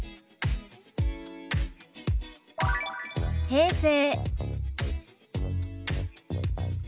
「平成」。